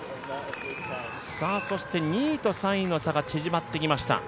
そして２位と３位の差が縮まってきました。